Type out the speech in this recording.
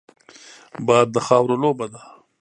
باد د خاورو لوبه ده